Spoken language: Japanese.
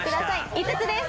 ５つです。